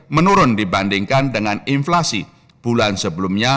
menurun dibandingkan dengan inflasi bulan sebelumnya